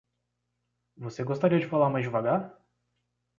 Você gostaria de falar mais devagar?